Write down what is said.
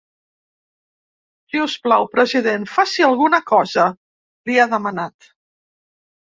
Si us plau, president faci alguna cosa, li ha demanat.